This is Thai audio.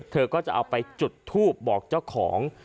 เธอก็จะเอาไปจุดทูบบอกเจ้าของ